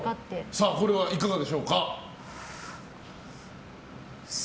それはいかがでしょうか？